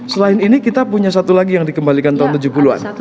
selain ini kita punya satu lagi yang dikembalikan tahun tujuh puluh an